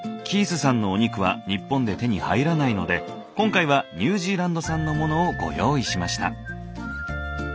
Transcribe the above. キースさんのお肉は日本で手に入らないので今回はニュージーランド産のものをご用意しました。